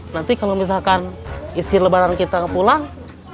nanti kalau misalkan istri lebaran kita pulang